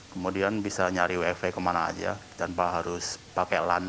kemudian bisa nyari ufe kemana aja tanpa harus pakai lan